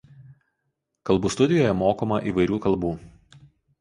Kalbų studijoje mokoma įvairių kalbų.